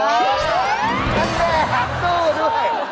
อย่างเน่อยหักสู้ด้วย